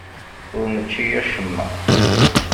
Ur nečči acemma.